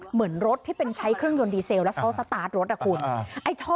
เหมือนรถที่เป็นใช้เครื่องยนต์ดีเซลและให้ล่างรถิฟิก